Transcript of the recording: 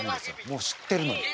もう知ってるのに。